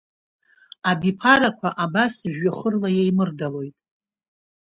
Абиԥарақәа, абас, жәҩахырла еимырдалоит!